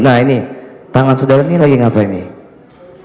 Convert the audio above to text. nah ini tangan saudara ini lagi ngapain nih